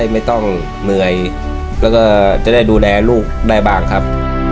ผิดครับ